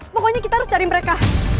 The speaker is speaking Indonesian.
pokoknya kita harus cari mereka